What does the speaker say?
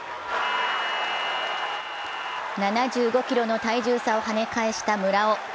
７５ｋｇの体重差をはね返した村尾。